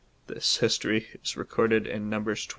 This history is recorded in Num bers XXV.